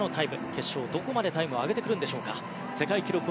決勝、どこまでタイムを上げてくるんでしょうか。